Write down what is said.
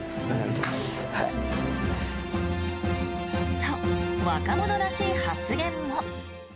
と、若者らしい発言も。